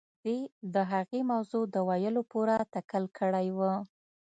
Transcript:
دې د هغې موضوع د ويلو پوره تکل کړی و.